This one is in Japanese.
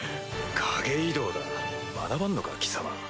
影移動だ学ばんのか貴様。